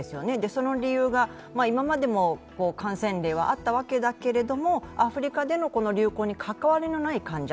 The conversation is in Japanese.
その理由が、今までも感染例はあったわけだけれどもアフリカでの流行に関わりのない患者